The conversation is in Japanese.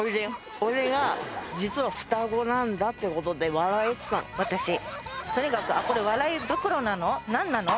俺が実は双子なんだってことで笑えっつったの私とにかくあっこれ笑い袋なの？